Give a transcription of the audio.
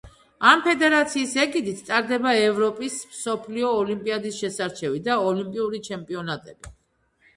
ამ ფედერაციის ეგიდით ტარდება ევროპის, მსოფლიო, ოლიმპიადის შესარჩევი და ოლიმპიური ჩემპიონატები.